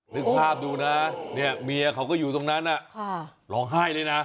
นึกภาพดูนะเนี่ยเมียเขาก็อยู่ตรงนั้นร้องไห้เลยนะ